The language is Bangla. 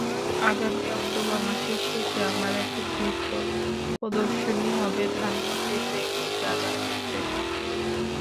আগামী অক্টোবর মাসের শেষে আমার একক চিত্র প্রদর্শনী হবে ধানমন্ডির বেঙ্গল গ্যালারিতে।